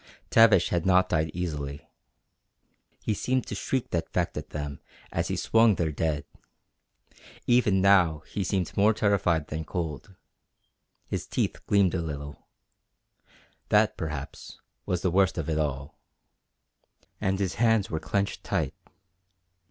Tavish had not died easily. He seemed to shriek that fact at them as he swung there dead; even now he seemed more terrified than cold. His teeth gleamed a little. That, perhaps, was the worst of it all. And his hands were clenched tight.